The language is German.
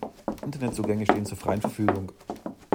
Internetzugänge stehen zur freien Verfügung.